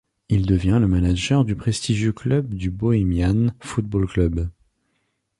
Il devient le maganer du prestigieux club du Bohemian Football Club.